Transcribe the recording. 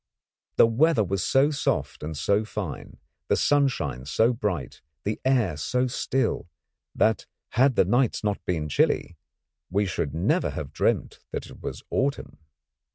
The weather was so soft and so fine, the sunshine so bright, the air so still, that had not the nights been chilly we should never have dreamt that it was autumn.